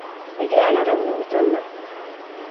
Vi grälade om något annat.